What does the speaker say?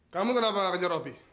kamu kenapa gak kejar ropi